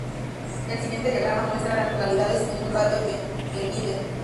El siguiente diagrama muestra a las localidades en un radio de de Linden.